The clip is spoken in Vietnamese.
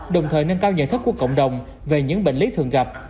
đồng thời nâng cao nhận thức của cộng đồng về những bệnh lý thường gặp